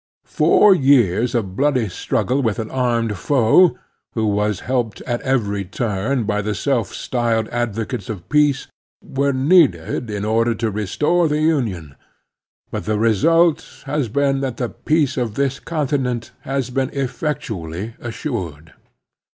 Four years of bloody struggle with an armed foe, who was helped at every ttim by the self styled advocates of peace, were needed in order to restore the Union; but the result has been that the peace of this continent has been eflfectually assured.